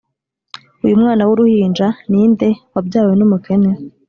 uyu mwana w'uruhinja ni nde, wabyawe n'umukene?